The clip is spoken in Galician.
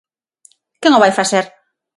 ¿Quen o vai facer?